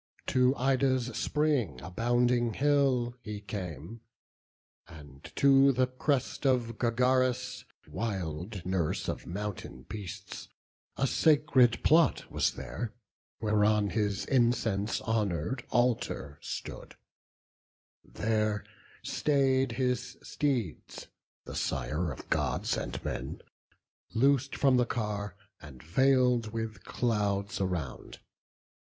To Ida's spring abounding hill he came, And to the crest of Gargarus, wild nurse Of mountain beasts; a sacred plot was there, Whereon his incense honour'd altar stood: There stay'd his steeds the Sire of Gods and men Loos'd from the car, and veil'd with clouds around.